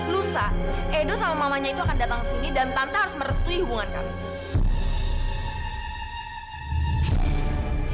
lusa edo sama mamanya itu akan datang sini dan tanpa harus merestui hubungan kami